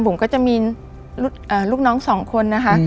ผมก็จะมีลูกน้องสองคนนะคะ